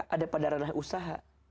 ada pada ranah usaha